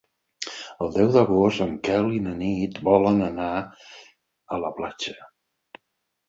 El deu d'agost en Quel i na Nit volen anar a la platja.